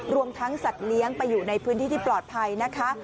รวมทั้งสัตว์เลี้ยงไปอยู่ในพื้นที่ที่ปลอดภัยนะคะ